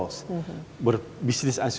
bisnis asal harus ditinggalkan